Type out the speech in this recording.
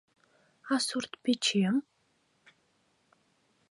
А сурт-печем?